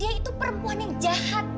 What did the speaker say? dia itu perempuan yang jahat